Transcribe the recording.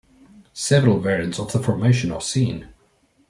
Several variants of the formation are seen.